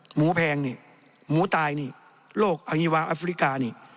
หมูแพงนี่หมูตายนี่โรคอฮิวาอัฟริกานี่